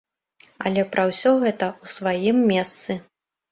Але пра ўсё гэта ў сваім месцы.